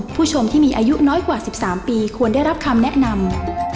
ผู้ชมที่มีอายุน้อยกว่า๑๓ปีควรได้รับคำแนะนำ